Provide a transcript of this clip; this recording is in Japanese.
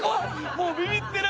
もうビビってる。